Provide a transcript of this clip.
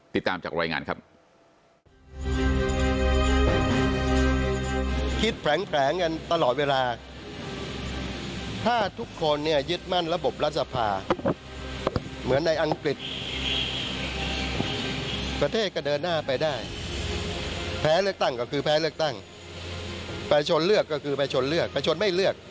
ติดตามจากรายงานครับ